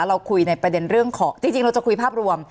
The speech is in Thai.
เราคุยในประเด็นเรื่องของจริงเราจะคุยภาพรวม